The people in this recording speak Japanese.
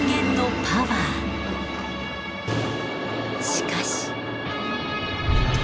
しかし。